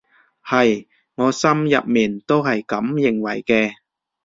係，我心入面都係噉認為嘅